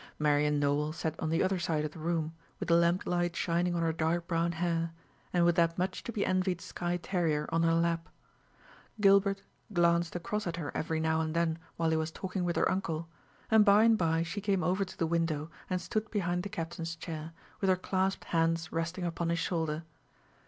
Marian Nowell sat on the other side of the room, with the lamplight shining on her dark brown hair, and with that much to be envied Skye terrier on her lap. Gilbert glanced across at her every now and then while he was talking with her uncle; and by and by she came over to the window and stood behind the Captain's chair, with her clasped hands resting upon his shoulder.